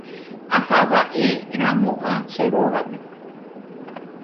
Ahava'erãmo'ã che rógape